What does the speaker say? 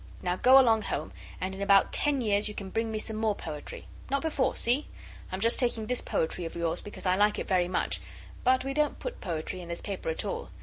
Now go along home, and in about ten years you can bring me some more poetry. Not before see? I'm just taking this poetry of yours because I like it very much; but we don't put poetry in this paper at all.